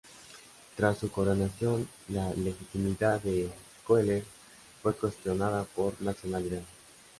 Tras su coronación, la legitimidad de Koehler fue cuestionada por su nacionalidad.